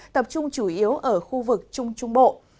tập trung chủ yếu ở khu vực trung trung bộ